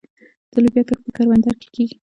د لوبیا کښت په کروندو کې کیږي.